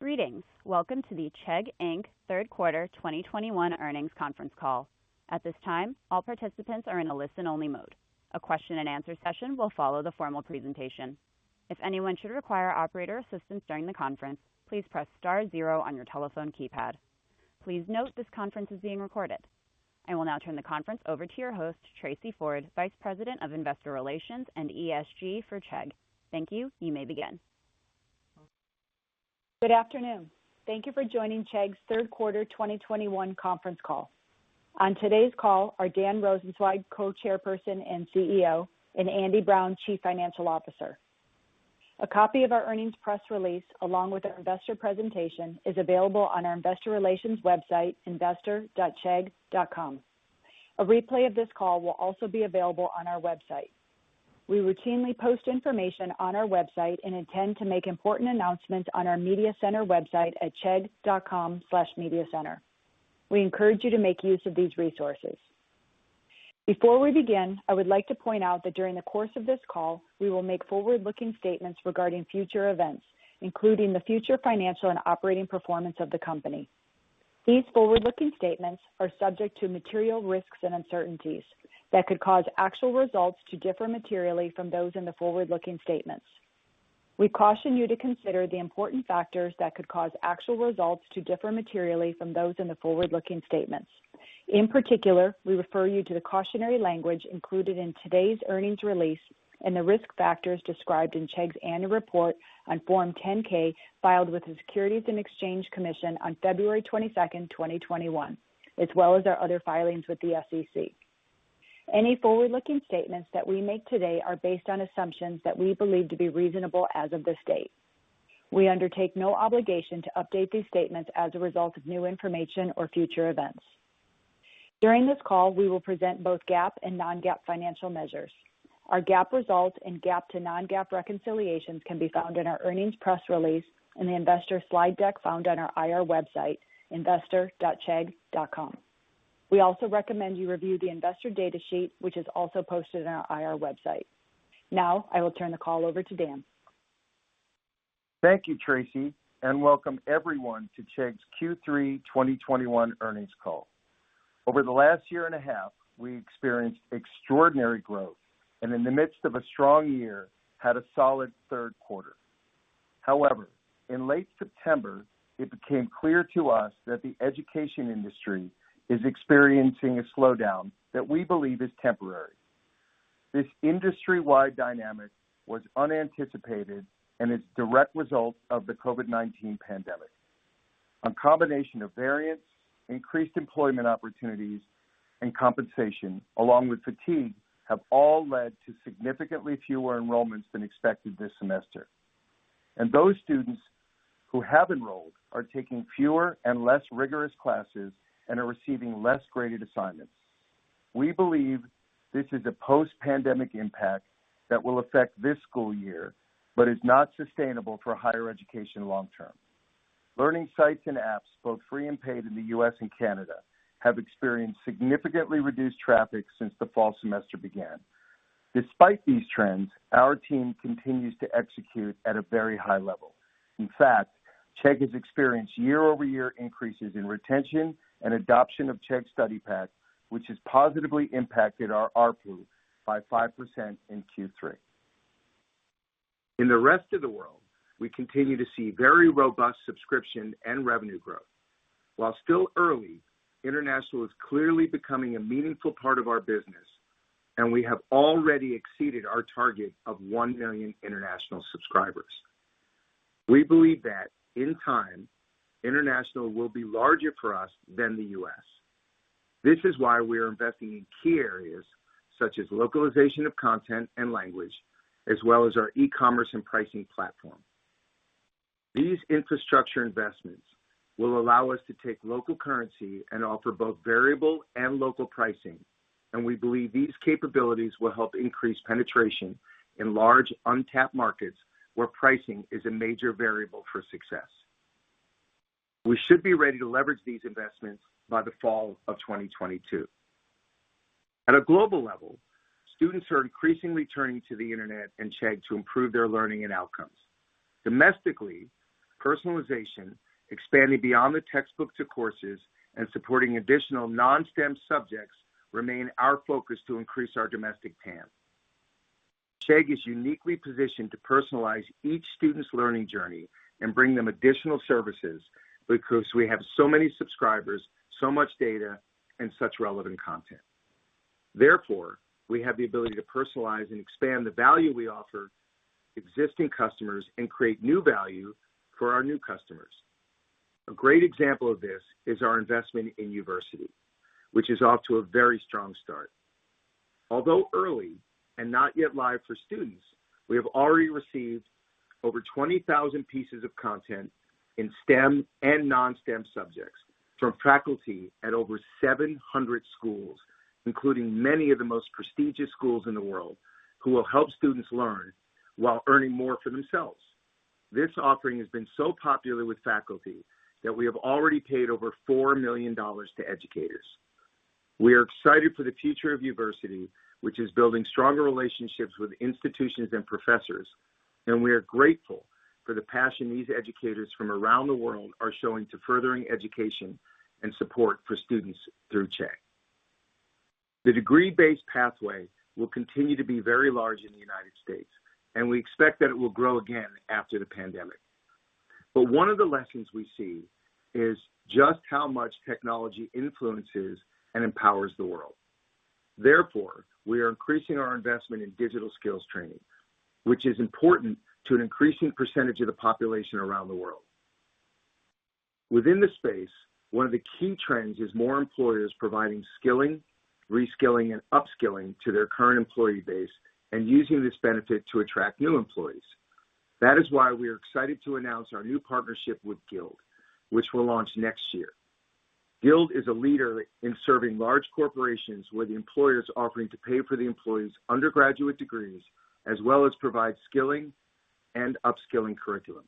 Greetings. Welcome to the Chegg, Inc. Q3 2021 earnings conference call. At this time, all participants are in a listen-only mode. A question-and-answer session will follow the formal presentation. If anyone should require operator assistance during the conference, please press star zero on your telephone keypad. Please note this conference is being recorded. I will now turn the conference over to your host, Tracey Ford, Vice President of Investor Relations and ESG for Chegg. Thank you. You may begin. Good afternoon. Thank you for joining Chegg's Q3 2021 conference call. On today's call are Dan Rosensweig, Co-Chairperson and CEO, and Andy Brown, Chief Financial Officer. A copy of our earnings press release, along with our investor presentation, is available on our investor relations website, investor.chegg.com. A replay of this call will also be available on our website. We routinely post information on our website and intend to make important announcements on our Media Center website at chegg.com/mediacenter. We encourage you to make use of these resources. Before we begin, I would like to point out that during the course of this call, we will make forward-looking statements regarding future events, including the future financial and operating performance of the company. These forward-looking statements are subject to material risks and uncertainties that could cause actual results to differ materially from those in the forward-looking statements. We caution you to consider the important factors that could cause actual results to differ materially from those in the forward-looking statements. In particular, we refer you to the cautionary language included in today's earnings release and the risk factors described in Chegg's annual report on Form 10-K filed with the Securities and Exchange Commission on February 22, 2021, as well as our other filings with the SEC. Any forward-looking statements that we make today are based on assumptions that we believe to be reasonable as of this date. We undertake no obligation to update these statements as a result of new information or future events. During this call, we will present both GAAP and non-GAAP financial measures. Our GAAP results and GAAP to non-GAAP reconciliations can be found in our earnings press release in the investor slide deck found on our IR website, investor.chegg.com. We also recommend you review the investor data sheet, which is also posted on our IR website. Now I will turn the call over to Dan. Thank you, Tracey, and welcome everyone to Chegg's Q3 2021 earnings call. Over the last year and a half, we experienced extraordinary growth and in the midst of a strong year, had a solid Q3. However, in late September, it became clear to us that the education industry is experiencing a slowdown that we believe is temporary. This industry-wide dynamic was unanticipated and is a direct result of the COVID-19 pandemic. A combination of variants, increased employment opportunities and compensation, along with fatigue, have all led to significantly fewer enrollments than expected this semester. Those students who have enrolled are taking fewer and less rigorous classes and are receiving less graded assignments. We believe this is a post-pandemic impact that will affect this school year, but is not sustainable for higher education long term. Learning sites and apps, both free and paid in the U.S. and Canada, have experienced significantly reduced traffic since the fall semester began. Despite these trends, our team continues to execute at a very high level. In fact, Chegg has experienced year-over-year increases in retention and adoption of Chegg Study Pack, which has positively impacted our ARPU by 5% in Q3. In the rest of the world, we continue to see very robust subscription and revenue growth. While still early, international is clearly becoming a meaningful part of our business and we have already exceeded our target of 1 million international subscribers. We believe that in time, international will be larger for us than the U.S. This is why we are investing in key areas such as localization of content and language, as well as our e-commerce and pricing platform. These infrastructure investments will allow us to take local currency and offer both variable and local pricing, and we believe these capabilities will help increase penetration in large, untapped markets where pricing is a major variable for success. We should be ready to leverage these investments by the fall of 2022. At a global level, students are increasingly turning to the internet and Chegg to improve their learning and outcomes. Domestically, personalization, expanding beyond the textbook to courses and supporting additional non-STEM subjects remain our focus to increase our domestic TAM. Chegg is uniquely positioned to personalize each student's learning journey and bring them additional services because we have so many subscribers, so much data, and such relevant content. Therefore, we have the ability to personalize and expand the value we offer existing customers and create new value for our new customers. A great example of this is our investment in Uversity, which is off to a very strong start. Although early and not yet live for students, we have already received over 20,000 pieces of content in STEM and non-STEM subjects from faculty at over 700 schools, including many of the most prestigious schools in the world, who will help students learn while earning more for themselves. This offering has been so popular with faculty that we have already paid over $4 million to educators. We are excited for the future of Uversity, which is building stronger relationships with institutions and professors, and we are grateful for the passion these educators from around the world are showing to furthering education and support for students through Chegg. The degree-based pathway will continue to be very large in the United States, and we expect that it will grow again after the pandemic. One of the lessons we see is just how much technology influences and empowers the world. Therefore, we are increasing our investment in digital skills training, which is important to an increasing percentage of the population around the world. Within the space, one of the key trends is more employers providing skilling, reskilling, and upskilling to their current employee base and using this benefit to attract new employees. That is why we are excited to announce our new partnership with Guild, which will launch next year. Guild is a leader in serving large corporations with employers offering to pay for the employees' undergraduate degrees, as well as provide skilling and upskilling curriculum.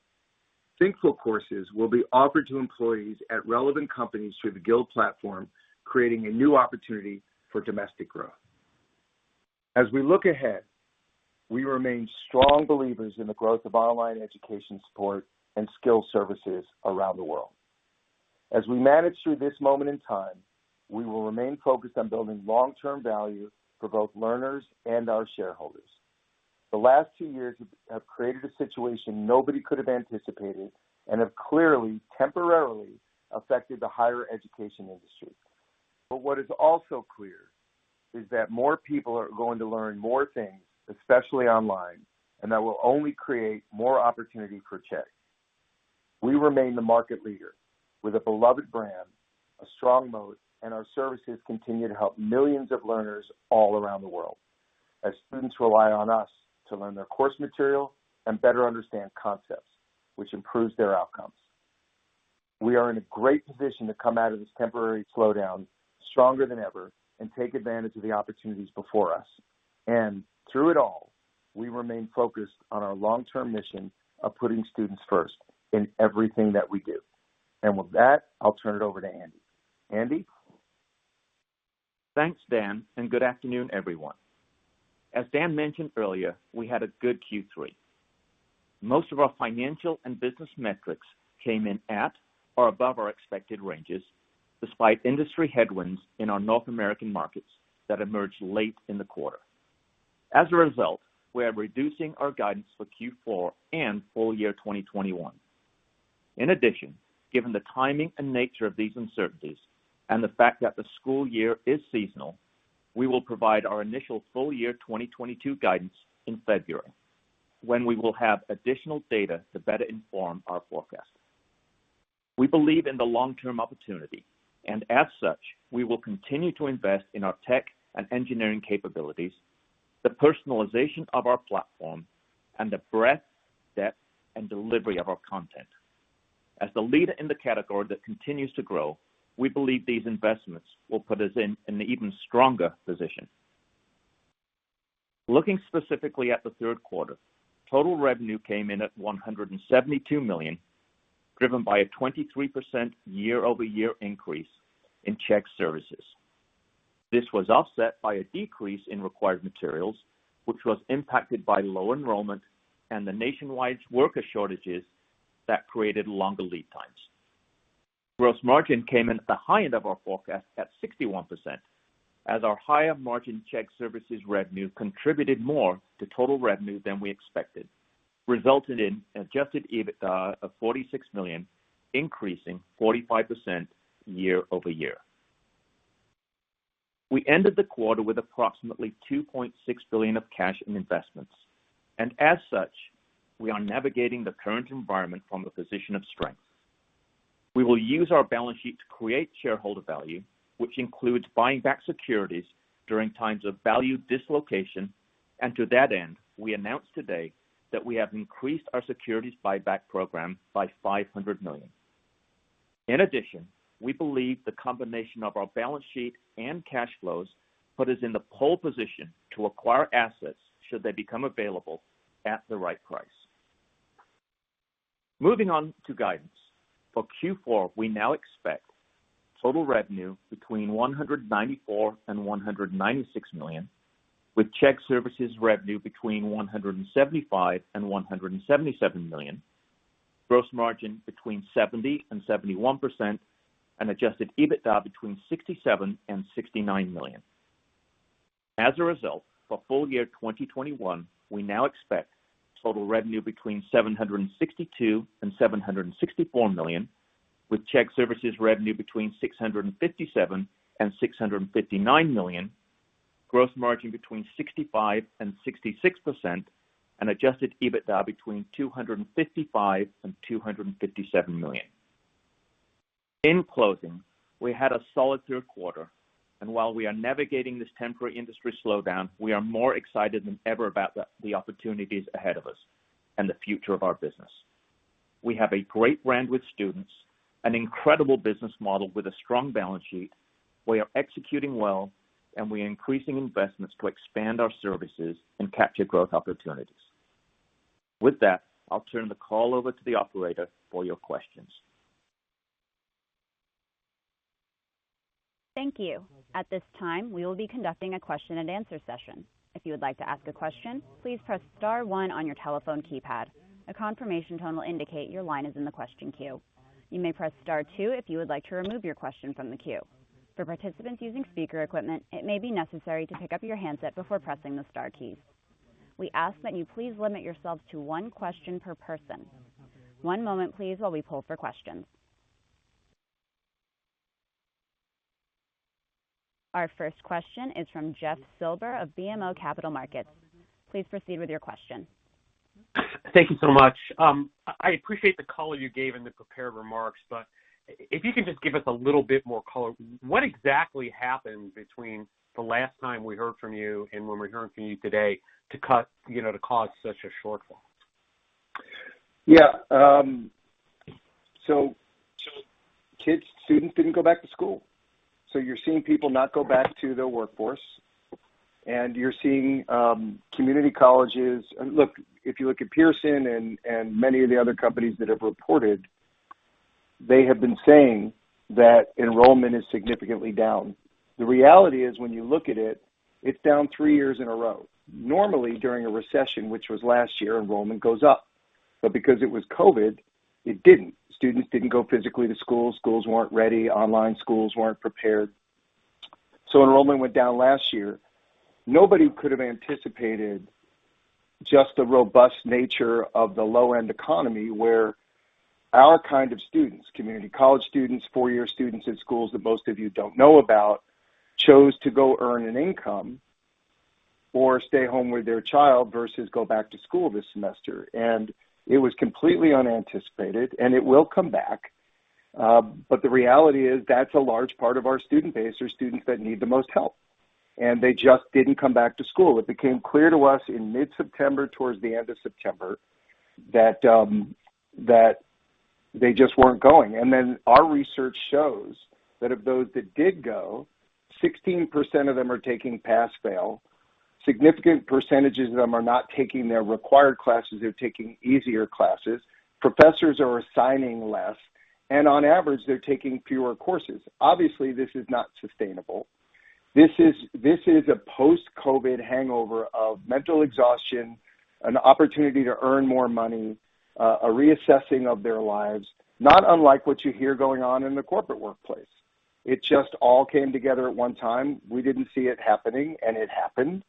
Thinkful courses will be offered to employees at relevant companies through the Guild platform, creating a new opportunity for domestic growth. As we look ahead, we remain strong believers in the growth of online education support and skill services around the world. As we manage through this moment in time, we will remain focused on building long-term value for both learners and our shareholders. The last two years have created a situation nobody could have anticipated and have clearly temporarily affected the higher education industry. What is also clear is that more people are going to learn more things, especially online, and that will only create more opportunities for Chegg. We remain the market leader with a beloved brand, a strong moat, and our services continue to help millions of learners all around the world as students rely on us to learn their course material and better understand concepts which improves their outcomes. We are in a great position to come out of this temporary slowdown stronger than ever and take advantage of the opportunities before us. Through it all, we remain focused on our long-term mission of putting students first in everything that we do. With that, I'll turn it over to Andy. Andy? Thanks, Dan, and good afternoon, everyone. As Dan mentioned earlier, we had a good Q3. Most of our financial and business metrics came in at or above our expected ranges, despite industry headwinds in our North American markets that emerged late in the quarter. As a result, we are reducing our guidance for Q4 and full year 2021. In addition, given the timing and nature of these uncertainties and the fact that the school year is seasonal, we will provide our initial full year 2022 guidance in February, when we will have additional data to better inform our forecast. We believe in the long-term opportunity and as such, we will continue to invest in our tech and engineering capabilities, the personalization of our platform and the breadth, depth, and delivery of our content. As the leader in the category that continues to grow, we believe these investments will put us in an even stronger position. Looking specifically at Q3, total revenue came in at $172 million, driven by a 23% year-over-year increase in Chegg Services. This was offset by a decrease in Required Materials, which was impacted by low enrollment and the nationwide worker shortages that created longer lead times. Gross margin came in at the high end of our forecast at 61%. As our higher margin Chegg Services revenue contributed more to total revenue than we expected, resulted in Adjusted EBITDA of $46 million, increasing 45% year over year. We ended the quarter with approximately $2.6 billion of cash and investments, and as such, we are navigating the current environment from a position of strength. We will use our balance sheet to create shareholder value, which includes buying back securities during times of value dislocation. To that end, we announced today that we have increased our securities buyback program by $500 million. In addition, we believe the combination of our balance sheet and cash flows puts us in the pole position to acquire assets should they become available at the right price. Moving on to guidance. For Q4, we now expect total revenue between $194 million and $196 million, with Chegg Services revenue between $175 million and $177 million, gross margin between 70% and 71%, and Adjusted EBITDA between $67 million and $69 million. As a result, for full year 2021, we now expect total revenue between $762 million and $764 million, with Chegg Services revenue between $657 million and $659 million, gross margin between 65% and 66%, and Adjusted EBITDA between $255 million and $257 million. In closing, we had a solid Q3, and while we are navigating this temporary industry slowdown, we are more excited than ever about the opportunities ahead of us and the future of our business. We have a great brand with students, an incredible business model with a strong balance sheet. We are executing well and we are increasing investments to expand our services and capture growth opportunities. With that, I'll turn the call over to the operator for your questions. Thank you. At this time, we will be conducting a question-and-answer session. If you would like to ask a question, please press star one on your telephone keypad. A confirmation tone will indicate your line is in the question queue. You may press star two if you would like to remove your question from the queue. For participants using speaker equipment, it may be necessary to pick up your handset before pressing the star key. We ask that you please limit yourselves to one question per person. One moment please, while we poll for questions. Our first question is from Jeff Silber of BMO Capital Markets. Please proceed with your question. Thank you so much. I appreciate the color you gave in the prepared remarks, but if you can just give us a little bit more color. What exactly happened between the last time we heard from you and when we're hearing from you today to cut, you know, to cause such a shortfall? Yeah. Kids, students didn't go back to school. You're seeing people not go back to their workforce, and you're seeing community colleges. Look, if you look at Pearson and many of the other companies that have reported, they have been saying that enrollment is significantly down. The reality is, when you look at it's down three years in a row. Normally, during a recession, which was last year, enrollment goes up. Because it was COVID, it didn't. Students didn't go physically to school. Schools weren't ready. Online schools weren't prepared. Enrollment went down last year. Nobody could have anticipated just the robust nature of the low-end economy, where our kind of students, community college students, four-year students at schools that most of you don't know about, chose to go earn an income or stay home with their child versus go back to school this semester. It was completely unanticipated, and it will come back. The reality is that a large part of our student base, are students that need the most help. They just didn't come back to school. It became clear to us in mid-September, towards the end of September, that they just weren't going. Then our research shows that of those that did go, 16% of them are taking pass-fail. Significant percentages of them are not taking their required classes. They're taking easier classes. Professors are assigning less. On average, they're taking fewer courses. Obviously, this is not sustainable. This is a post-COVID hangover of mental exhaustion, an opportunity to earn more money, a reassessing of their lives, not unlike what you hear going on in the corporate workplace. It just all came together at one time. We didn't see it happening, and it happened.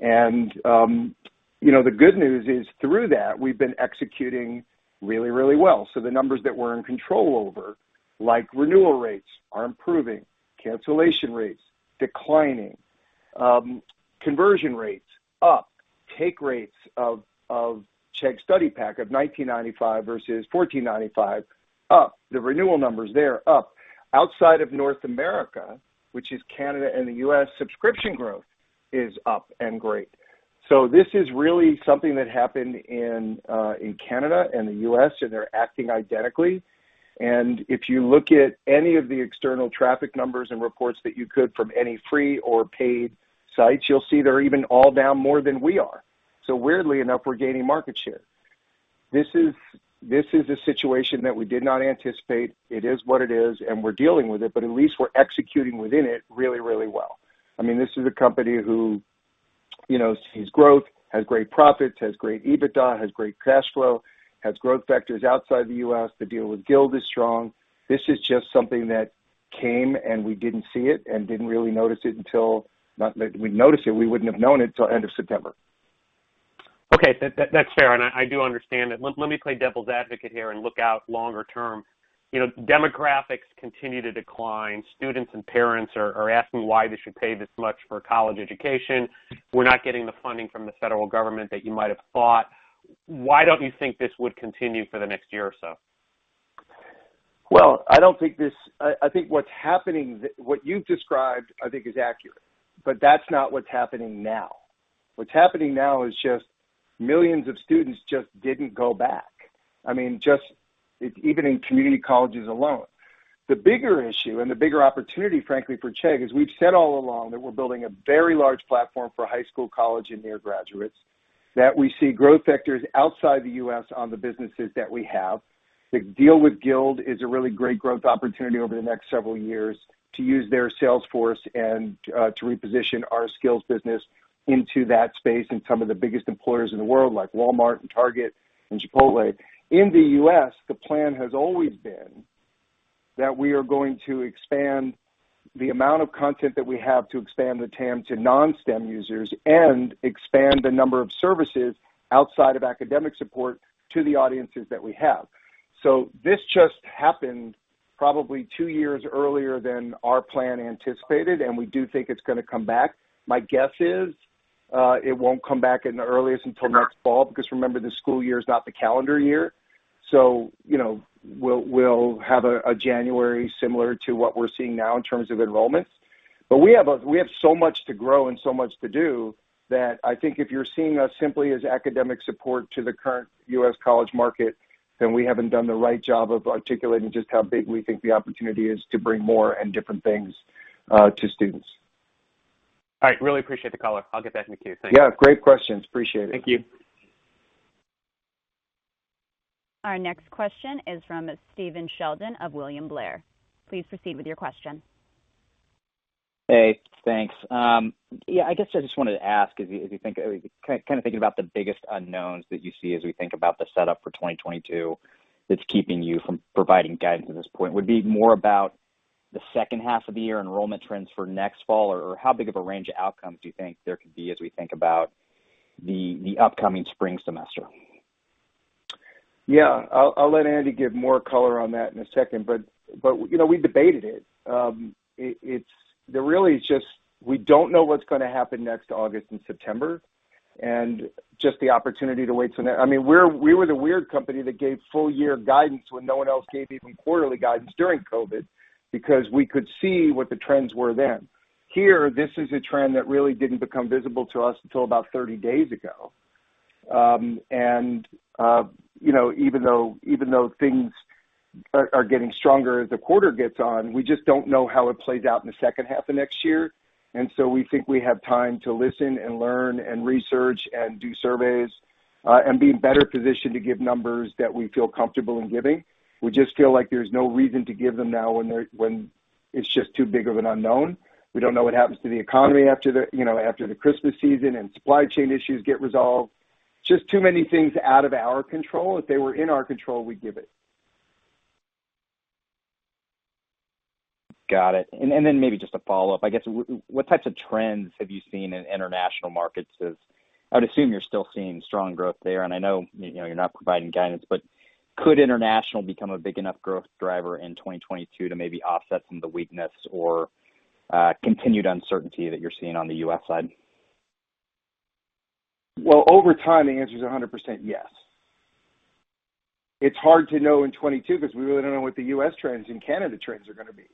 You know, the good news is through that, we've been executing really, really well. The numbers that we're in control over, like renewal rates, are improving. Cancellation rates, declining. Conversion rates, up. Take rates of Chegg Study Pack of $19.95 versus $14.95, up. The renewal numbers there, up. Outside of North America, which is Canada and the U.S., subscription growth is up and great. This is really something that happened in Canada and the U.S., and they're acting identically. If you look at any of the external traffic numbers and reports that you could from any free or paid sites, you'll see they're even all down more than we are. So weirdly enough, we're gaining market share. This is a situation that we did not anticipate. It is what it is, and we're dealing with it, but at least we're executing within it really, really well. I mean, this is a company who, you know, sees growth, has great profits, has great EBITDA, has great cash flow, has growth vectors outside the U.S. The deal with Guild is strong. This is just something that came, and we didn't see it and didn't really notice it until. Not that we noticed it. We wouldn't have known it until the end of September. Okay. That's fair, and I do understand it. Let me play devil's advocate here and look out longer term. You know, demographics continue to decline. Students and parents are asking why they should pay this much for a college education. We're not getting the funding from the federal government that you might have thought. Why don't you think this would continue for the next year or so? I don't think this. I think what's happening, what you've described, is accurate. That's not what's happening now. What's happening now is that millions of students just didn't go back. I mean, just even in community colleges alone. The bigger issue and the bigger opportunity, frankly, for Chegg is we've said all along that we're building a very large platform for high school, college, and near graduates. That we see growth vectors outside the U.S. on the businesses that we have. The deal with Guild is a really great growth opportunity over the next several years to use their sales force and to reposition our skills business into that space and some of the biggest employers in the world, like Walmart, Target and Chipotle. In the U.S., the plan has always been that we are going to expand the amount of content that we have to expand the TAM to non-STEM users and expand the number of services outside of academic support to the audiences that we have. This just happened probably two years earlier than our plan anticipated, and we do think it's gonna come back. My guess is, it won't come back at the earliest until next fall, because remember, the school year is not the calendar year. You know, we'll have a January similar to what we're seeing now in terms of enrollments. We have so much to grow and so much to do that I think if you're seeing us simply as academic support to the current U.S. college market, then we haven't done the right job of articulating just how big we think the opportunity is to bring more and different things to students. All right, really appreciate the color. I'll get back in the queue. Thank you. Yeah, great questions. Appreciate it. Thank you. Our next question is from Stephen Sheldon of William Blair. Please proceed with your question. Hey, thanks. Yeah, I guess I just wanted to ask as you think kind of thinking about the biggest unknowns that you see as we think about the setup for 2022 that's keeping you from providing guidance at this point. Would it be more about the second half of the year enrollment trends for next fall, or how big of a range of outcomes do you think there could be as we think about the upcoming spring semester? Yeah. I'll let Andy give more color on that in a second. You know, we debated it. There really is just we don't know what's gonna happen next August and September, and just the opportunity to wait till then. I mean, we were the weird company that gave full year guidance when no one else gave even quarterly guidance during COVID, because we could see what the trends were then. Here, this is a trend that really didn't become visible to us until about 30 days ago. You know, even though things are getting stronger as the quarter gets on, we just don't know how it plays out in the second half of next year. We think we have time to listen and learn and research and do surveys, and be better positioned to give numbers that we feel comfortable in giving. We just feel like there's no reason to give them now when it's just too big of an unknown. We don't know what happens to the economy after, you know, the Christmas season and supply chain issues get resolved. Just too many things are out of our control. If they were in our control, we'd give it. Got it. Then maybe just a follow-up. I guess what types of trends have you seen in international markets as I would assume you're still seeing strong growth there, and I know, you know, you're not providing guidance, but could international become a big enough growth driver in 2022 to maybe offset some of the weakness or continued uncertainty that you're seeing on the U.S. side? Well, over time, the answer is 100% yes. It's hard to know in 2022 because we really don't know what the U.S. trends and Canada trends are gonna be.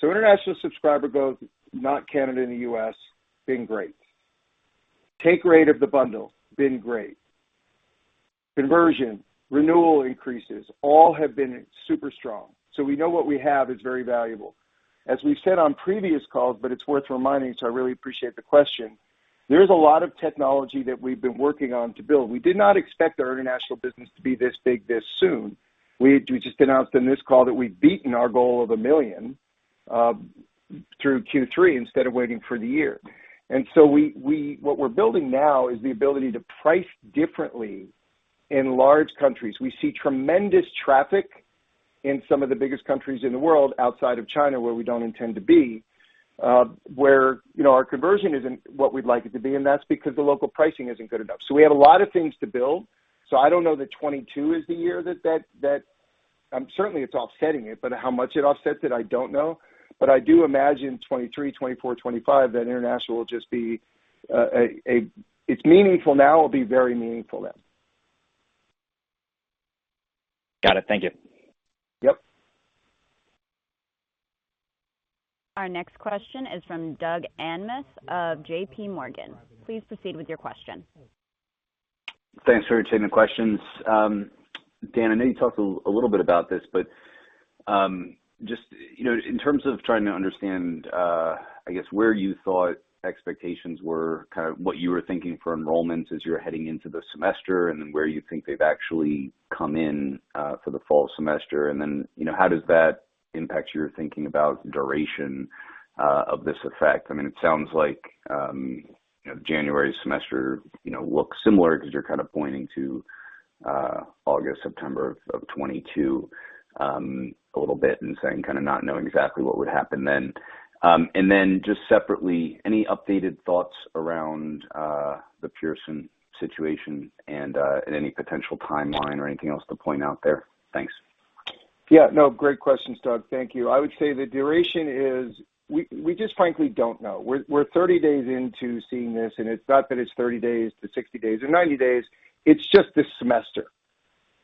International subscriber growth, not Canada and the U.S., been great. Take rate of the bundle, been great. Conversion, renewal increases, all have been super strong, so we know what we have is very valuable. As we've said on previous calls, but it's worth reminding, so I really appreciate the question. There is a lot of technology that we've been working on to build. We did not expect our international business to be this big this soon. We just announced in this call that we've beaten our goal of 1 million through Q3 instead of waiting for the year. What we're building now is the ability to price differently in large countries. We see tremendous traffic in some of the biggest countries in the world outside of China, where we don't intend to be, you know, our conversion isn't what we'd like it to be, and that's because the local pricing isn't good enough. We have a lot of things to build, so I don't know that 2022 is the year that. Certainly it's offsetting it, but how much it offsets it, I don't know. I do imagine 2023, 2024, 2025, that international will just be. It's meaningful now, it'll be very meaningful then. Got it. Thank you. Yep. Our next question is from Doug Anmuth of JPMorgan. Please proceed with your question. Thanks for taking the questions. Dan, I know you talked a little bit about this, but just, you know, in terms of trying to understand, I guess, where you thought expectations were, kind of what you were thinking for enrollments as you were heading into the semester, and then where you think they've actually come in for the fall semester, and then, you know, how does that impact your thinking about duration of this effect? I mean, it sounds like, you know, January's semester, you know, looks similar because you're kind of pointing to August, September of 2022, a little bit and saying kinda not knowing exactly what would happen then. And then just separately, any updated thoughts around the Pearson situation and any potential timeline or anything else to point out there? Thanks. Yeah. No. Great questions, Doug. Thank you. I would say the duration is. We just frankly don't know. We're 30 days into seeing this, and it's not that it's 30 days to 60 days or 90 days, it's just this semester.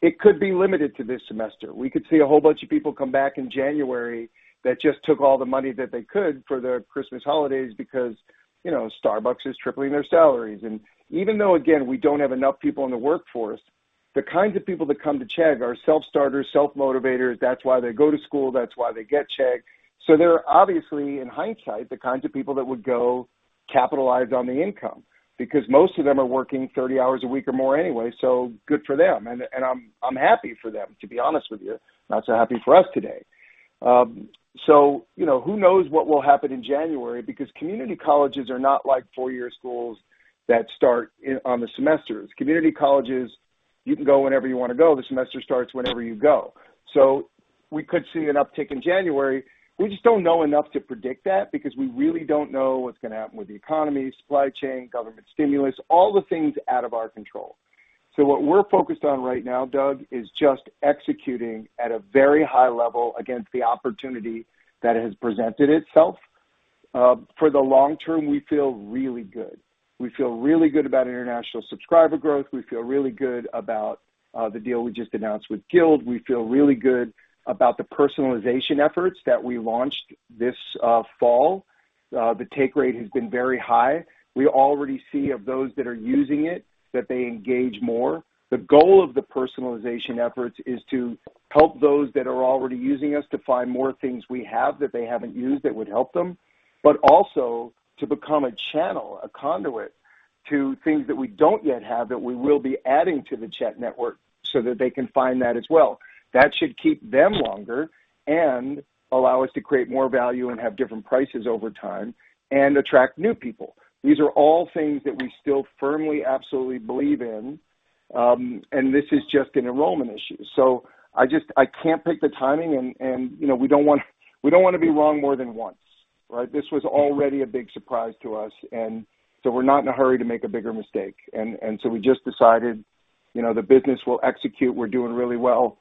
It could be limited to this semester. We could see a whole bunch of people come back in January that just took all the money that they could for their Christmas holidays because, you know, Starbucks is tripling their salaries. Even though, again, we don't have enough people in the workforce, the kinds of people that come to Chegg are self-starters, self-motivators. That's why they go to school. That's why they get Chegg. They're obviously, in hindsight, the kinds of people that would go capitalize on the income. Because most of them are working 30 hours a week or more anyway, so good for them. I'm happy for them, to be honest with you. Not so happy for us today. You know, who knows what will happen in January, because community colleges are not like four-year schools that start on the semesters. Community colleges, you can go whenever you wanna go. The semester starts whenever you go. We could see an uptick in January. We just don't know enough to predict that because we really don't know what's gonna happen with the economy, supply chain, government stimulus, all the things out of our control. What we're focused on right now, Doug, is just executing at a very high level against the opportunity that has presented itself. For the long term, we feel really good. We feel really good about international subscriber growth. We feel really good about the deal we just announced with Guild. We feel really good about the personalization efforts that we launched this fall. The take rate has been very high. We already see that of those that are using it, that they engage more. The goal of the personalization efforts is to help those that are already using us to find more things we have that they haven't used that would help them, but also to become a channel, a conduit to things that we don't yet have that we will be adding to the Chegg network so that they can find that as well. That should keep them longer and allow us to create more value and have different prices over time and attract new people. These are all things that we still firmly, absolutely believe in, and this is just an enrollment issue. I can't pick the timing, and you know, we don't wanna be wrong more than once, right? This was already a big surprise to us, and we're not in a hurry to make a bigger mistake. We just decided, you know, the business will execute. We're doing really well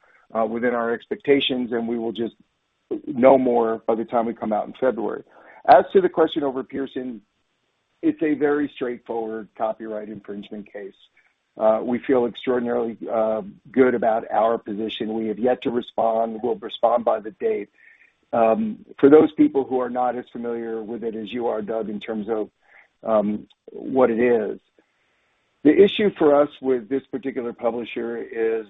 within our expectations, and we will just know more by the time we come out in February. As to the question over Pearson, it's a very straightforward copyright infringement case. We feel extraordinarily good about our position. We have yet to respond. We'll respond by the date. For those people who are not as familiar with it as you are, Doug, in terms of what it is. The issue for us with this particular publisher is,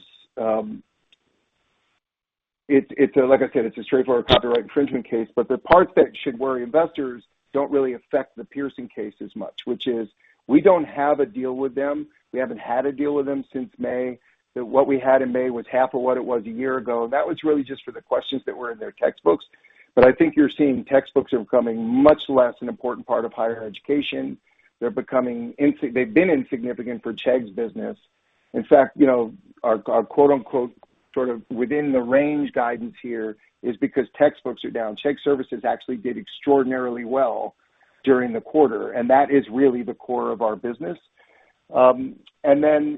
it's, like I said, it's a straightforward copyright infringement case, but the part that should worry investors don't really affect the Pearson case as much, which is we don't have a deal with them. We haven't had a deal with them since May. That what we had in May was half of what it was a year ago, and that was really just for the questions that were in their textbooks. I think you're seeing textbooks are becoming much less important part of higher education. They're becoming insignificant. They've been insignificant for Chegg's business. In fact, you know, our "sort of within the range guidance here is because textbooks are down". Chegg Services actually did extraordinarily well during the quarter, and that is really the core of our business.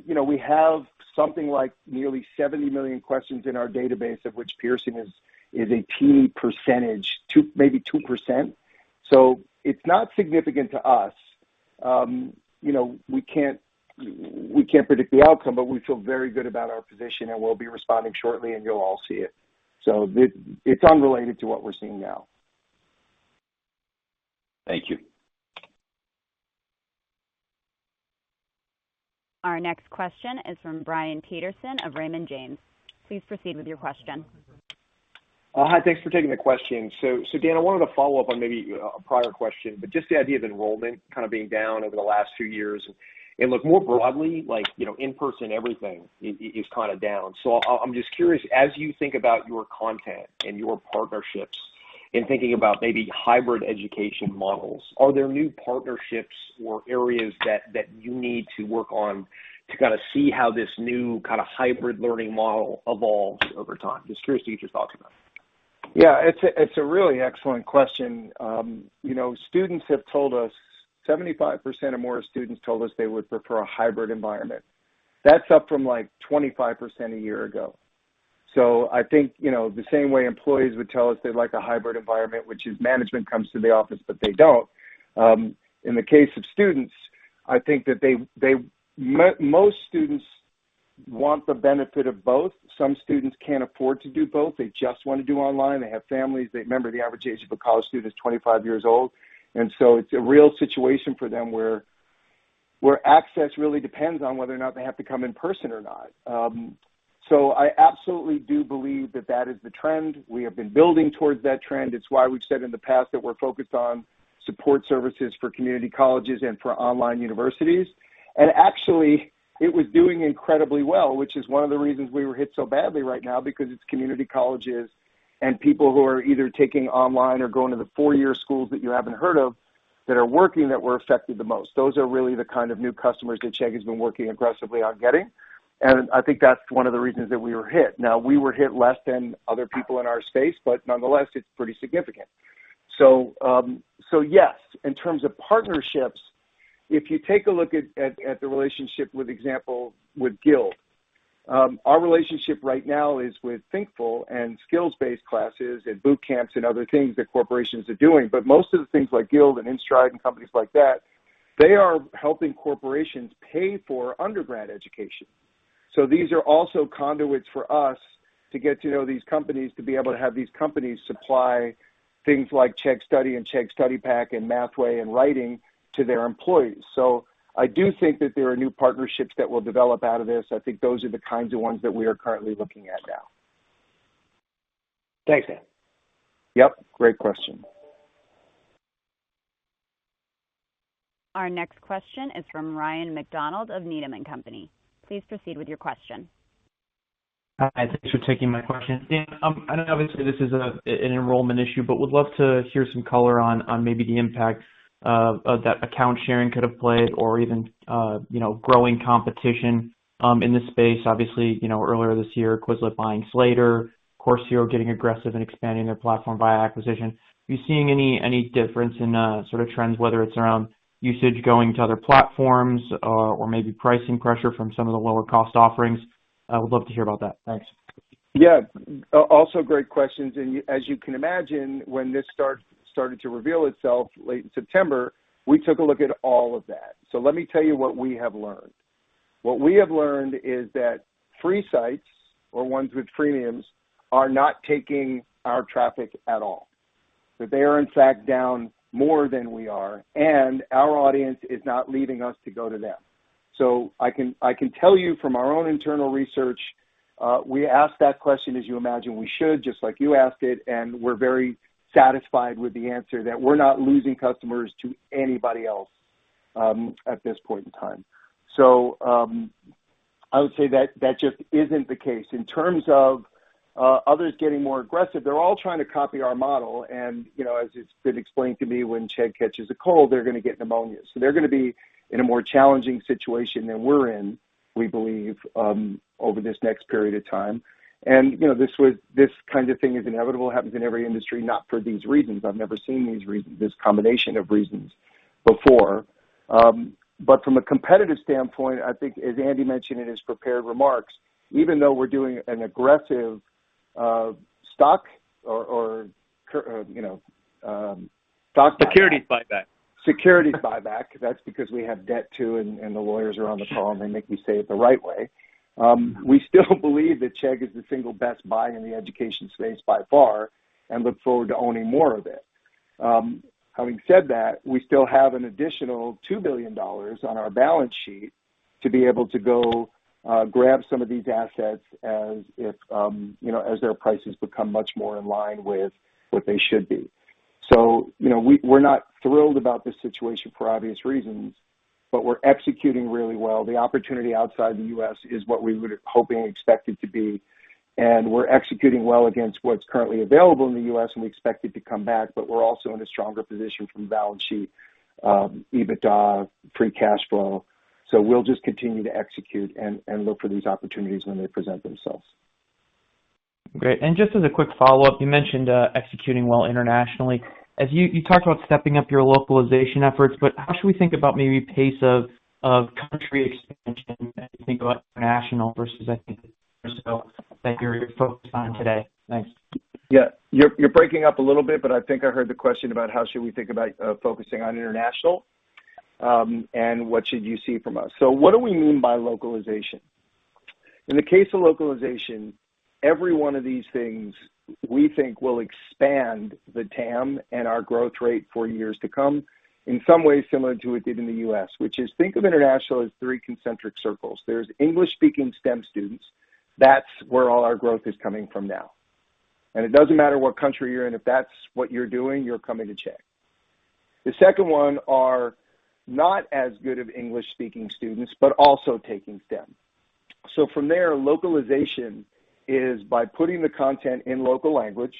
You know, we have something like nearly 70 million questions in our database of which Pearson is a teeny percentage, maybe 2%. It's not significant to us. You know, we can't predict the outcome, but we feel very good about our position, and we'll be responding shortly, and you'll all see it. It's unrelated to what we're seeing now. Thank you. Our next question is from Brian Peterson of Raymond James. Please proceed with your question. Hi. Thanks for taking the question. Dan, I wanted to follow up on maybe a prior question, but just the idea of enrollment kind of being down over the last two years. Look, more broadly, like, you know, in-person everything is kinda down. I'm just curious, as you think about your content and your partnerships in thinking about maybe hybrid education models, are there new partnerships or areas that you need to work on to kinda see how this new kinda hybrid learning model evolves over time? Just curious to hear your thoughts on that. It's a really excellent question. You know, students have told us, 75% or more of students told us they would prefer a hybrid environment. That's up from, like, 25% a year ago. I think, you know, the same way employees would tell us they'd like a hybrid environment, which is management comes to the office, but they don't. In the case of students, I think that most students want the benefit of both. Some students can't afford to do both. They just wanna do online. They have families. Remember, the average age of a college student is 25 years old, and it's a real situation for them where access really depends on whether or not they have to come in person or not. I absolutely do believe that is the trend. We have been building towards that trend. It's why we've said in the past that we're focused on support services for community colleges and for online universities. Actually, it was doing incredibly well, which is one of the reasons we were hit so badly right now because it's community colleges and people who are either taking online or going to the four-year schools that you haven't heard of that are working that were affected the most. Those are really the kind of new customers that Chegg has been working aggressively on getting, and I think that's one of the reasons that we were hit. Now, we were hit less than other people in our space, but nonetheless, it's pretty significant. Yes, in terms of partnerships, if you take a look at the relationship for example with Guild, our relationship right now is with Thinkful and skills-based classes, boot camps and other things that corporations are doing. Most of the things like Guild and InStride and companies like that, they are helping corporations pay for undergrad education. These are also conduits for us to get to know these companies, to be able to have these companies supply things like Chegg Study and Chegg Study Pack and Mathway and Chegg Writing to their employees. I do think that there are new partnerships that will develop out of this. I think those are the kinds of ones that we are currently looking at now. Thanks, Dan. Yep, great question. Our next question is from Ryan MacDonald of Needham & Company. Please proceed with your question. Hi, thanks for taking my question. Dan, and obviously this is an enrollment issue, but would love to hear some color on maybe the impact that account sharing could have played or even you know, growing competition in this space. Obviously, you know, earlier this year, Quizlet buying Slader, Course Hero getting aggressive and expanding their platform via acquisition. Are you seeing any difference in sort of trends, whether it's around usage going to other platforms or maybe pricing pressure from some of the lower cost offerings? I would love to hear about that. Thanks. Also great questions. As you can imagine, when this started to reveal itself late in September, we took a look at all of that. Let me tell you what we have learned. What we have learned is that free sites or ones with premiums are not taking our traffic at all, that they are in fact down more than we are, and our audience is not leaving us to go to them. I can tell you from our own internal research, we asked that question, as you imagine we should, just like you asked it, and we're very satisfied with the answer that we're not losing customers to anybody else, at this point in time. I would say that just isn't the case. In terms of others getting more aggressive, they're all trying to copy our model and, you know, as it's been explained to me, when Chegg catches a cold, they're gonna get pneumonia. They're gonna be in a more challenging situation than we're in, we believe, over this next period of time. You know, this kind of thing is inevitable, happens in every industry, not for these reasons. I've never seen this combination of reasons before. From a competitive standpoint, I think as Andy mentioned in his prepared remarks, even though we're doing an aggressive stock or- Securities buyback. Securities buyback, that's because we have debt too, and the lawyers are on the call and they make me say it the right way. We still believe that Chegg is the single best buy in the education space by far and look forward to owning more of it. Having said that, we still have an additional $2 billion on our balance sheet to be able to go grab some of these assets as you know, as their prices become much more in line with what they should be. You know, we're not thrilled about this situation for obvious reasons, but we're executing really well. The opportunity outside the U.S. is what we would have hoped and expected it to be, and we're executing well against what's currently available in the U.S., and we expect it to come back. We're also in a stronger position from a balance sheet, EBITDA, free cash flow. We'll just continue to execute and look for these opportunities when they present themselves. Great. Just as a quick follow-up, you mentioned executing well internationally. As you talked about stepping up your localization efforts, but how should we think about maybe pace of country expansion as you think about international versus, I think, that you're focused on today? Thanks. Yeah. You're breaking up a little bit, but I think I heard the question about how should we think about focusing on international, and what you should see from us. What do we mean by localization? In the case of localization, every one of these things we think will expand the TAM and our growth rate for years to come, in some ways similar to what we did in the U.S., which is think of international as three concentric circles. There are English-speaking STEM students. That's where all our growth is coming from now. It doesn't matter what country you're in, if that's what you're doing, you're coming to Chegg. The second one is non-English-speaking students, but also taking STEM. From there, localization is by putting the content in local language,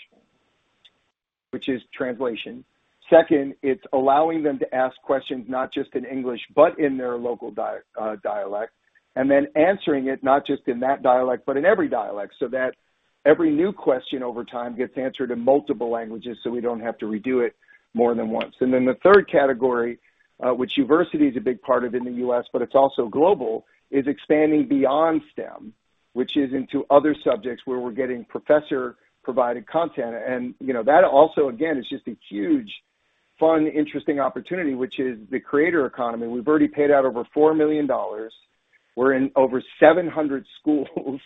which is translation. Second, it's allowing them to ask questions not just in English, but in their local dialect, and then answering it not just in that dialect but in every dialect, so that every new question over time gets answered in multiple languages, so we don't have to redo it more than once. The third category, which Uversity is a big part of in the U.S., but it's also global, is expanding beyond STEM, which is into other subjects where we're getting professor-provided content. You know, that also again, is just a huge, fun, interesting opportunity, which is the creator economy. We've already paid out over $4 million. We're in over 700 schools,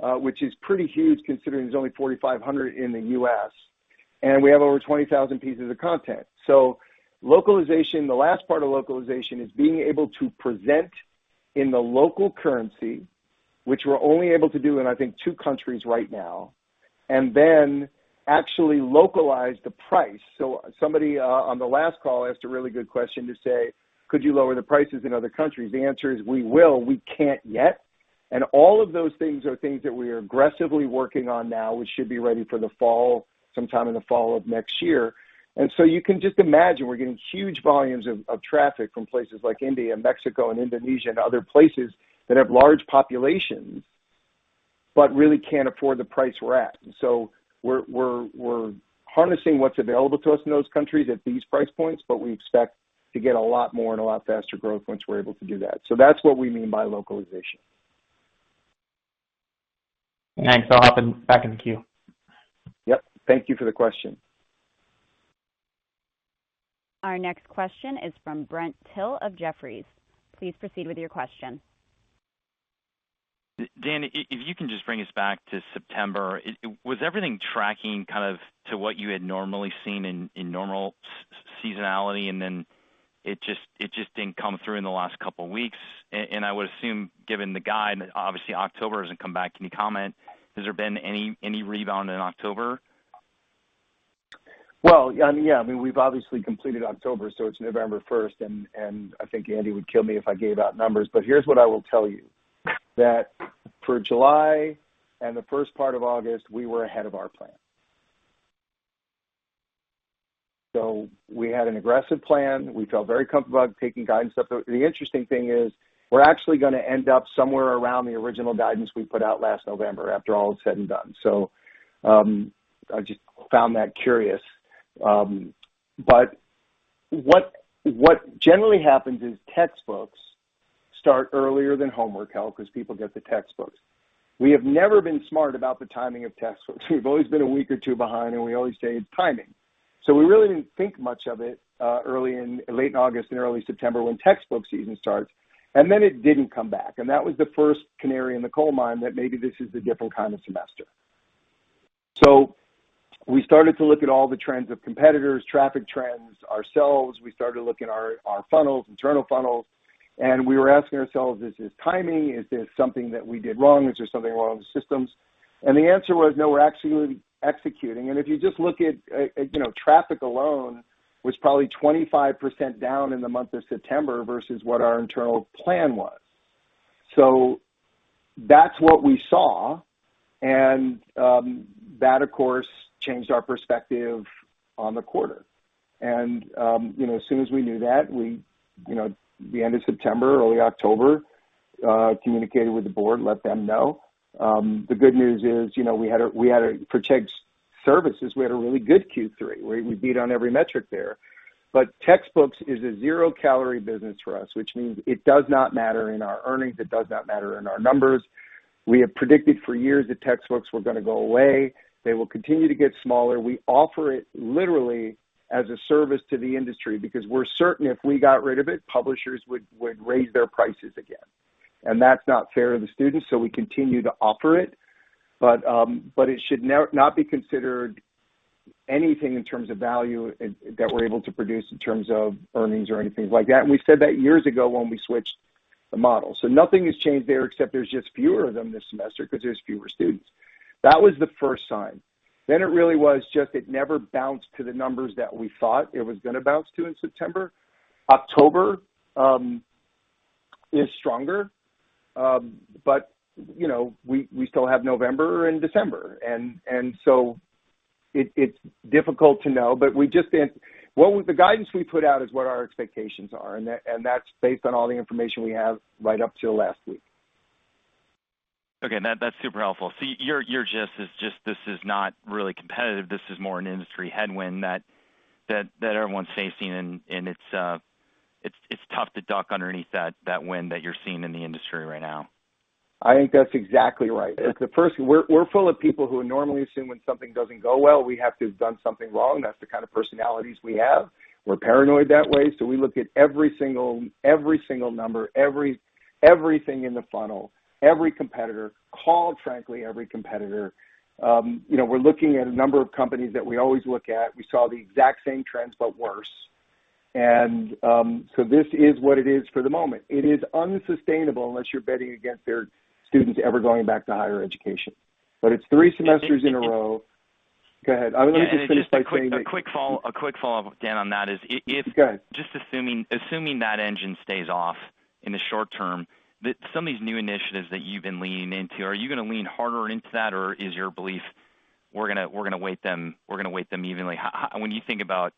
which is pretty huge considering there are only 4,500 in the U.S., and we have over 20,000 pieces of content. Localization, the last part of localization is being able to present in the local currency, which we're only able to do in, I think, two countries right now, and then actually localize the price. Somebody, on the last call asked a really good question to say, "Could you lower the prices in other countries?" The answer is we will. We can't yet. All of those things are things that we are aggressively working on now, which should be ready for the fall, sometime in the fall of next year. You can just imagine, we're getting huge volumes of traffic from places like India, Mexico, and Indonesia, and other places that have large populations but really can't afford the price we're at. We're harnessing what's available to us in those countries at these price points, but we expect to get a lot more and a lot faster growth once we're able to do that. That's what we mean by localization. Thanks. I'll hop back in the queue. Yep. Thank you for the question. Our next question is from Brent Thill of Jefferies. Please proceed with your question. Dan, if you can just bring us back to September. Was everything tracking kind of to what you had normally seen in normal seasonality, and then it just didn't come through in the last couple of weeks? I would assume, given the guide, obviously October doesn't come back. Any comment? Has there been any rebound in October? Well, yeah, I mean, we've obviously completed October, so it's November 1st, and I think Andy would kill me if I gave out numbers. Here's what I will tell you. For July and the first part of August, we were ahead of our plan. We had an aggressive plan. We felt very comfortable about taking guidance up. The interesting thing is, we're actually gonna end up somewhere around the original guidance we put out last November, after all is said and done. I just found that curious. What generally happens is textbooks start earlier than homework help because people get the textbooks. We have never been smart about the timing of textbooks. We've always been a week or two behind, and we always say it's timing. We really didn't think much of it early in. Late in August and early September when textbook season starts, and then it didn't come back. That was the first canary in the coal mine that maybe this is a different kind of semester. We started to look at all the trends of competitors, traffic trends, and ourselves. We started looking our funnels, internal funnels, and we were asking ourselves, "Is this timing? Is this something that we did wrong? Is there something wrong with the systems?" The answer was, no, we're actually executing. If you just look at, you know, traffic alone was probably 25% down in the month of September versus what our internal plan was. That's what we saw, and that, of course, changed our perspective on the quarter. You know, as soon as we knew that, we, you know, the end of September, early October, communicated with the board, let them know. The good news is, you know, we had a really good Q3 for Chegg Services, where we beat on every metric there. Textbooks is a zero-calorie business for us, which means it does not matter in our earnings. It does not matter in our numbers. We have predicted for years that textbooks were gonna go away. They will continue to get smaller. We offer it literally as a service to the industry because we're certain if we got rid of it, publishers would raise their prices again. That's not fair to the students, so we continue to offer it. It should not be considered anything in terms of value in that we're able to produce in terms of earnings or anything like that. We said that years ago when we switched the model. Nothing has changed there except there's just fewer of them this semester 'cause there's fewer students. That was the first sign. It really was just it never bounced to the numbers that we thought it was gonna bounce to in September. October is stronger. But you know, we still have November and December. And so it's difficult to know, but we just didn't. Well, the guidance we put out is what our expectations are, and that's based on all the information we have right up till last week. Okay. That's super helpful. Your gist is just this is not really competitive, this is more of an industry headwind that everyone's facing, and it's tough to duck underneath that wind that you're seeing in the industry right now. I think that's exactly right. We're full of people who normally assume that when something doesn't go well, we have to have done something wrong. That's the kind of personalities we have. We're paranoid that way, so we look at every single number, everything in the funnel, every competitor. We called, frankly, every competitor. You know, we're looking at a number of companies that we always look at. We saw the exact same trends, but worse. This is what it is for the moment. It is unsustainable unless you're betting against their students ever going back to higher education. It's three semesters in a row. Go ahead. I was gonna just finish by saying that. A quick follow-up, Dan, on that is. Go ahead. Just assuming that engine stays off in the short term, some of these new initiatives that you've been leaning into, are you gonna lean harder into that, or is your belief we're gonna weight them evenly? How, when you think about,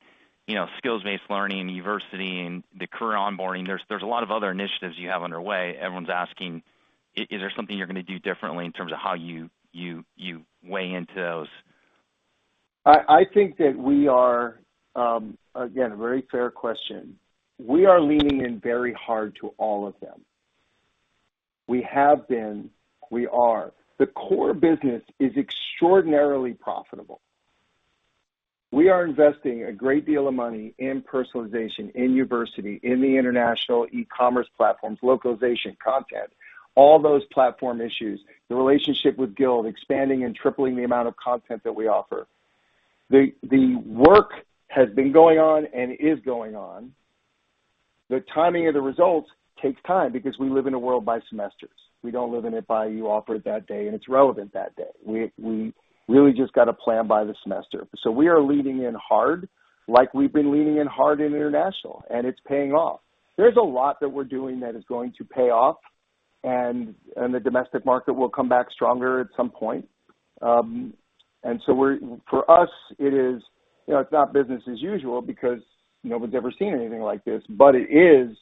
you know, skills-based learning, Uversity, and the career onboarding, there's a lot of other initiatives you have underway. Everyone's asking, is there something you're gonna do differently in terms of how you weigh into those? I think that we are. Again, very fair question. We are leaning in very hard to all of them. We have been. We are. The core business is extraordinarily profitable. We are investing a great deal of money in personalization, in Uversity, in the international e-commerce platforms, localization, content, and all those platform issues. The relationship with Guild, expanding and tripling the amount of content that we offer. The work has been going on and is going on. The timing of the results takes time because we live in a world by semesters. We don't live in it by you offer it that day and it's relevant that day. We really just gotta plan by the semester. We are leaning in hard like we've been leaning hard in international, and it's paying off. There's a lot that we're doing that is going to pay off, and the domestic market will come back stronger at some point. For us, it is. You know, it's not business as usual because no one's ever seen anything like this. It is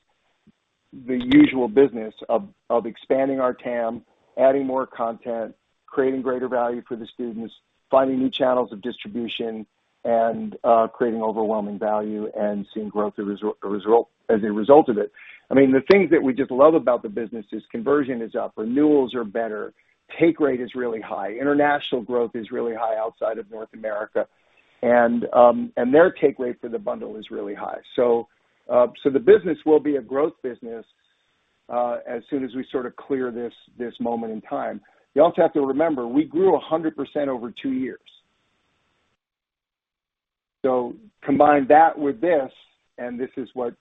the usual business of expanding our TAM, adding more content, creating greater value for the students, finding new channels of distribution, and creating overwhelming value and seeing growth as a result of it. I mean, the things that we just love about the business is conversion is up, renewals are better, take rate is really high. International growth is really high outside of North America, and their take rate for the bundle is really high. The business will be a growth business, as soon as we sort of clear this moment in time. You also have to remember, we grew 100% over two years. Combine that with this, and this is what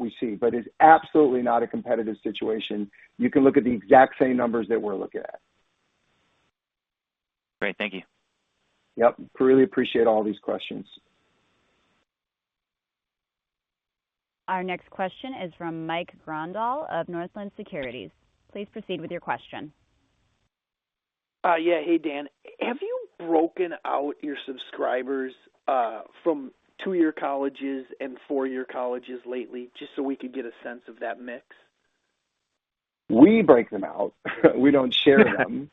we see. It's absolutely not a competitive situation. You can look at the exact same numbers that we're looking at. Great. Thank you. Yep. I really appreciate all these questions. Our next question is from Mike Grondahl of Northland Securities. Please proceed with your question. Yeah. Hey, Dan. Have you broken out your subscribers from two-year colleges and four-year colleges lately, just so we could get a sense of that mix? We break them out. We don't share them.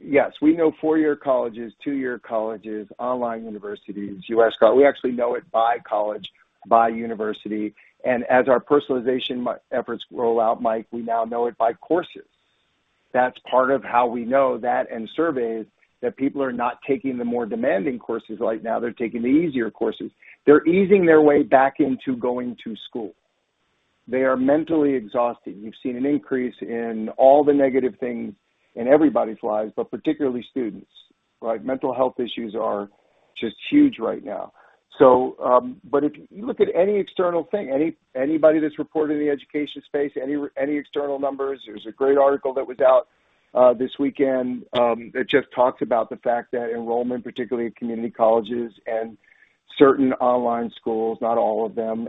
Yes, we know four-year colleges, two-year colleges, online universities, U.S. college. We actually know it by college, by university. As our personalization efforts roll out, Mike, we now know it by courses. That's part of how we know that in surveys that people are not taking the more demanding courses right now. They're taking the easier courses. They're easing their way back into going to school. They are mentally exhausted. We've seen an increase in all the negative things in everybody's lives, but particularly students, right? Mental health issues are just huge right now. But if you look at any external thing, anybody that's reported in the education space, any external numbers, there was a great article that was out this weekend that just talked about the fact that enrollment, particularly at community colleges and certain online schools, not all of them.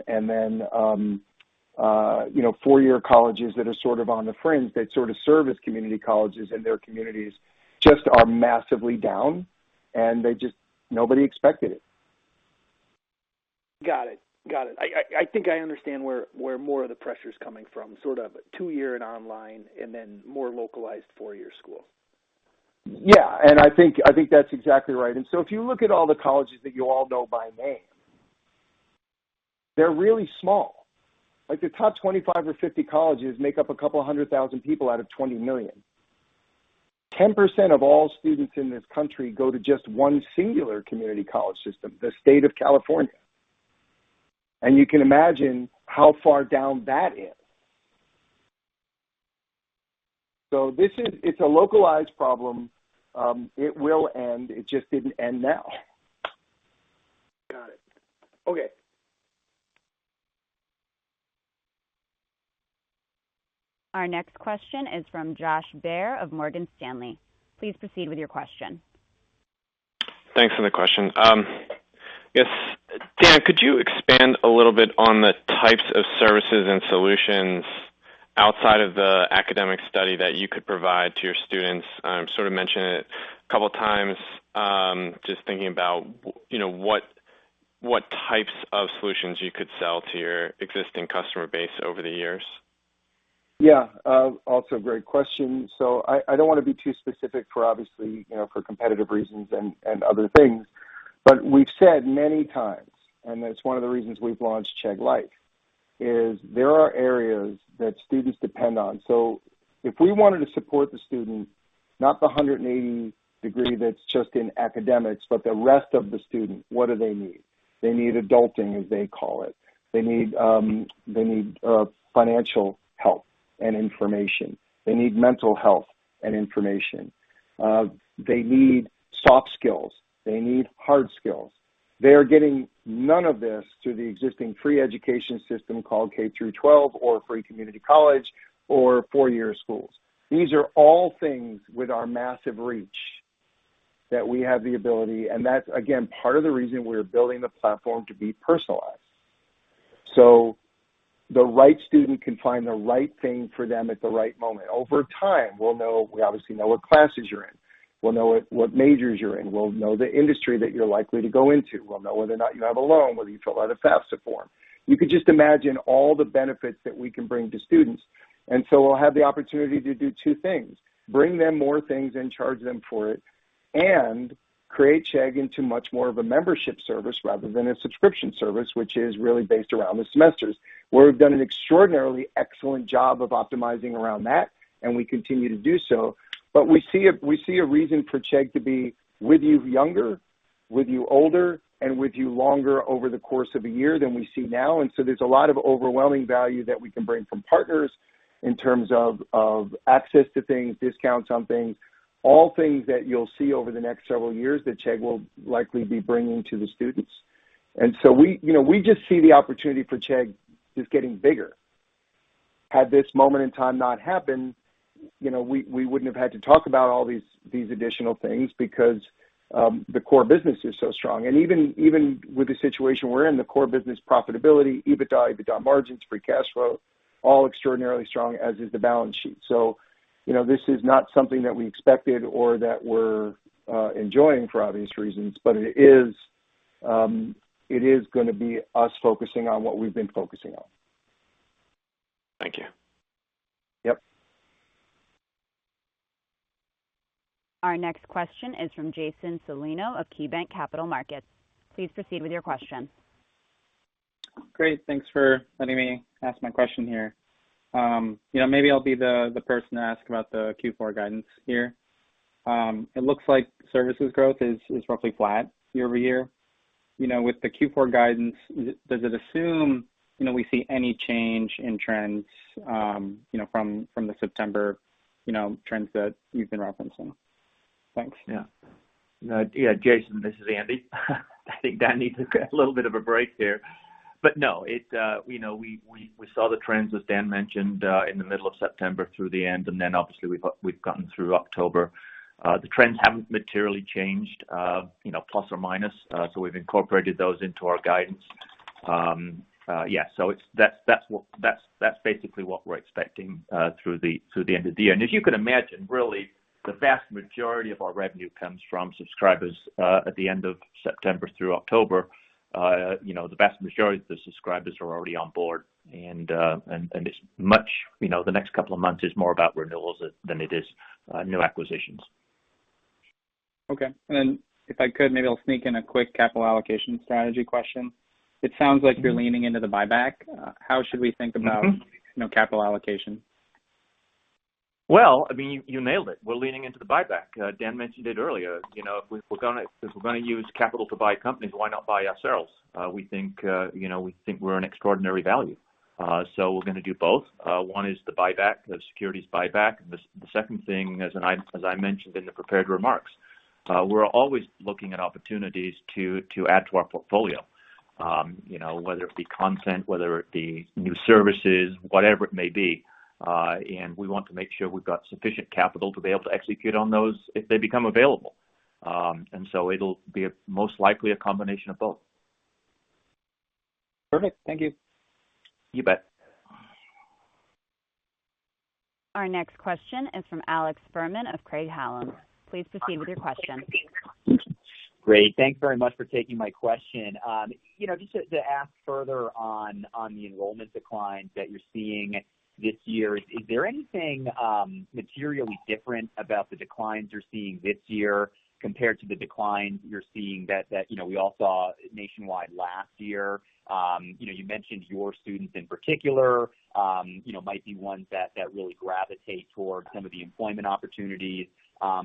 You know, four-year colleges that are sort of on the fringe that sort of serve as community colleges in their communities just are massively down, and nobody expected it. Got it. I think I understand where more of the pressure is coming from, sort of two-year and online and then more localized four-year school. Yeah. I think that's exactly right. If you look at all the colleges that you all know by name, they're really small. Like, the top 25 or 50 colleges make up a couple hundred thousand people out of 20 million. 10% of all students in this country go to just one singular community college system, the state of California. You can imagine how far down that is. This is a localized problem. It will end. It just didn't end now. Got it. Okay. Our next question is from Josh Baer of Morgan Stanley. Please proceed with your question. Thanks for the question. Yes. Dan, could you expand a little bit on the types of services and solutions outside of the academic study that you could provide to your students? You sort of mentioned it a couple of times, just thinking about, you know, what types of solutions you could sell to your existing customer base over the years. Also great question. I don't wanna be too specific, obviously, for competitive reasons and other things. We've said many times, and that's one of the reasons we've launched Chegg Life, is there are areas that students depend on. If we wanted to support the student, not the 180-degree that's just in academics, but the rest of the student, what do they need? They need adulting, as they call it. They need financial help and information. They need mental health and information. They need soft skills. They need hard skills. They are getting none of this through the existing free education system called K-12 or free community college or four-year schools. These are all things with our massive reach that we have the ability, and that's again, part of the reason we're building the platform to be personalized. The right student can find the right thing for them at the right moment. Over time, we'll know. We obviously know what classes you're in. We'll know what majors you're in. We'll know the industry that you're likely to go into. We'll know whether or not you have a loan, whether you fill out a FAFSA form. You could just imagine all the benefits that we can bring to students. We'll have the opportunity to do two things, bring them more things and charge them for it, and create Chegg into much more of a membership service rather than a subscription service, which is really based around the semesters. We've done an extraordinarily excellent job of optimizing around that, and we continue to do so. We see a reason for Chegg to be with you younger, with you older, and with you longer over the course of a year than we see now. There's a lot of overwhelming value that we can bring from partners in terms of access to things, discounts on things, all things that you'll see over the next several years that Chegg will likely be bringing to the students. We, you know, just see the opportunity for Chegg just getting bigger. Had this moment in time not happened, you know, we wouldn't have had to talk about all these additional things because the core business is so strong. Even with the situation we're in, the core business profitability, EBITDA margins, free cash flow, all extraordinarily strong, as is the balance sheet. You know, this is not something that we expected or that we're enjoying for obvious reasons, but it is gonna be us focusing on what we've been focusing on. Thank you. Yep. Our next question is from Jason Celino of KeyBanc Capital Markets. Please proceed with your question. Great. Thanks for letting me ask my question here. You know, maybe I'll be the person to ask about the Q4 guidance here. It looks like service growth is roughly flat year-over-year. You know, with the Q4 guidance, does it assume we see any change in trends, you know, from the September trends that you've been referencing? Thanks. Yeah. Jason, this is Andy. I think Dan needs a little bit of a break there. No, it, you know, we saw the trends, as Dan mentioned, in the middle of September through the end, and then obviously, we've gotten through October. The trends haven't materially changed, you know, plus or minus, so we've incorporated those into our guidance. Yeah. So that's basically what we're expecting through the end of the year. As you can imagine, really, the vast majority of our revenue comes from subscribers at the end of September through October. You know, the vast majority of the subscribers are already on board, and it's much, you know, the next couple of months are more about renewals than it is new acquisitions. Okay. If I could, maybe I'll sneak in a quick capital allocation strategy question. It sounds like you're leaning into the buyback. How should we think about, you know, capital allocation? Well, I mean, you nailed it. We're leaning into the buyback. Dan mentioned it earlier. You know, if we're gonna use capital to buy companies, why not buy ourselves? We think, you know, we think we're an extraordinary value, so we're gonna do both. One is the buyback, the securities buyback. The second thing, as I mentioned in the prepared remarks, we're always looking at opportunities to add to our portfolio, you know, whether it be content, whether it be new services, whatever it may be, and we want to make sure we've got sufficient capital to be able to execute on those if they become available. It'll most likely be a combination of both. Perfect. Thank you. You bet. Our next question is from Alex Fuhrman of Craig-Hallum. Please proceed with your question. Great. Thanks very much for taking my question. You know, just to ask further on the enrollment declines that you're seeing this year. Is there anything materially different about the declines you're seeing this year compared to the declines you're seeing that you know we all saw nationwide last year? You know, you mentioned your students in particular might be the ones that really gravitate towards some of the employment opportunities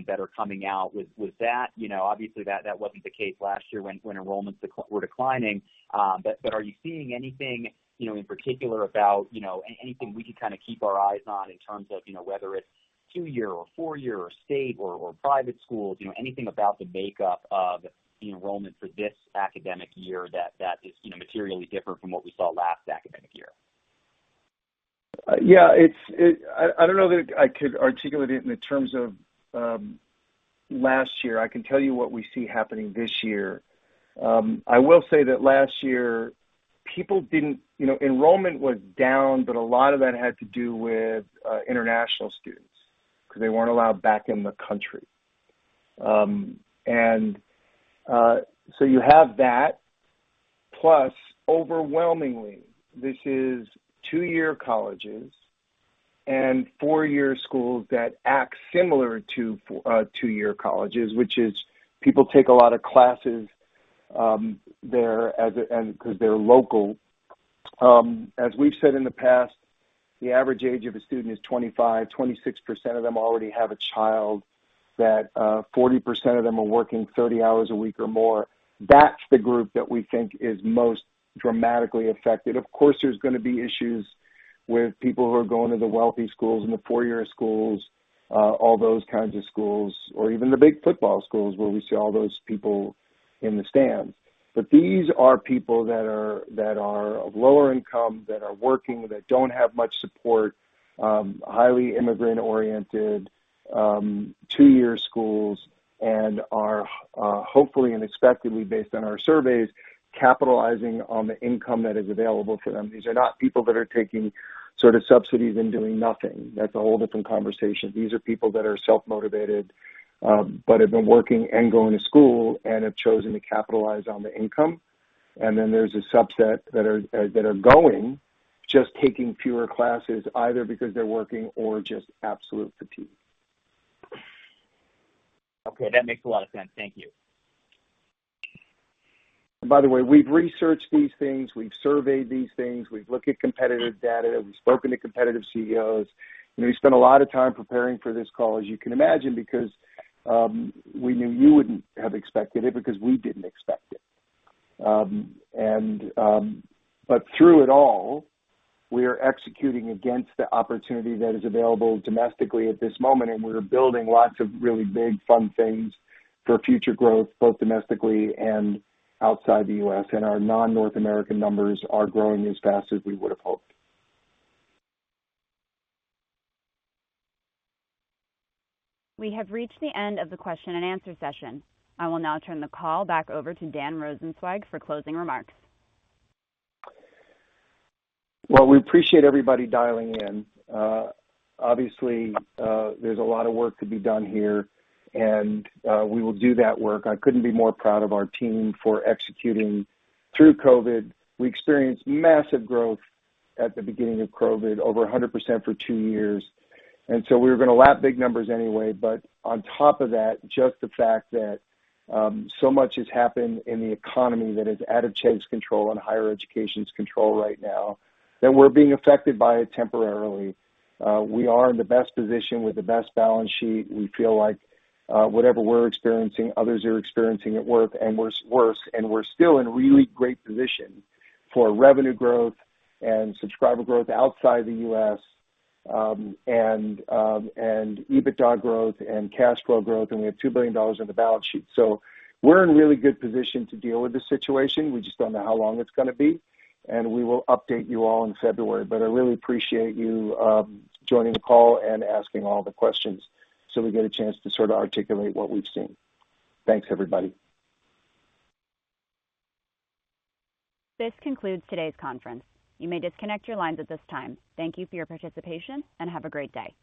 that are coming out. With that, you know, obviously that wasn't the case last year when enrollments were declining. But are you seeing anything, you know, in particular about, you know, anything we could kinda keep our eyes on in terms of, you know, whether it's two-year or four-year or state or private schools, you know, anything about the makeup of the enrollment for this academic year that is, you know, materially different from what we saw last academic year? Yeah. I don't know that I could articulate it in the terms of last year. I can tell you what we see happening this year. I will say that last year people didn't, you know, enrollment was down, but a lot of that had to do with international students 'cause they weren't allowed back in the country. So you have that, plus overwhelmingly, this is two-year colleges and four-year schools that act similar to two-year colleges, which is people take a lot of classes there because they're local. As we've said in the past, the average age of a student is 25, 26% of them already have a child, 40% of them are working 30 hours a week or more. That's the group that we think is most dramatically affected. Of course, there's gonna be issues with people who are going to the wealthy schools and the four-year schools, all those kinds of schools, or even the big football schools where we see all those people in the stands. These are people that are of lower income, that are working, that don't have much support, highly immigrant-oriented, two-year schools and are, hopefully and expectedly based on our surveys, capitalizing on the income that is available to them. These are not people that are taking sort of subsidies and doing nothing. That's a whole different conversation. These are people that are self-motivated, but have been working and going to school, and have chosen to capitalize on the income. There's a subset that are going, just taking fewer classes, either because they're working or just absolute fatigue. Okay, that makes a lot of sense. Thank you. By the way, we've researched these things, we've surveyed these things, we've looked at competitive data, we've spoken to competitive CEOs. You know, we spent a lot of time preparing for this call, as you can imagine, because we knew you wouldn't have expected it because we didn't expect it. But through it all, we are executing against the opportunity that is available domestically at this moment, and we're building lots of really big fun things for future growth, both domestically and outside the U.S., and our non-North American numbers are growing as fast as we would have hoped. We have reached the end of the question-and-answer session. I will now turn the call back over to Dan Rosensweig for closing remarks. Well, we appreciate everybody dialing in. Obviously, there's a lot of work to be done here, and we will do that work. I couldn't be more proud of our team for executing through COVID. We experienced massive growth at the beginning of COVID, over 100% for two years, and so we were gonna lap big numbers anyway. On top of that, just the fact that so much has happened in the economy that is out of Chegg's control and higher education's control right now, that we're being affected by it temporarily. We are in the best position with the best balance sheet. We feel like whatever we're experiencing, others are experiencing at work and worse. We're still in a really great position for revenue growth and subscriber growth outside the U.S., and EBITDA growth and cash flow growth, and we have $2 billion on the balance sheet. We're in a really good position to deal with this situation. We just don't know how long it's gonna be, and we will update you all in February. I really appreciate you joining the call and asking all the questions, so we get a chance to sort of articulate what we've seen. Thanks, everybody. This concludes today's conference. You may disconnect your lines at this time. Thank you for your participation, and have a great day.